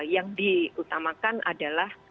yang diutamakan adalah